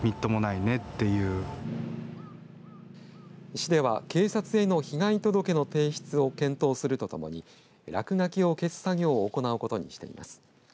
市では警察への被害届の提出を検討するとともに落書きを消す作業を行うことにしています。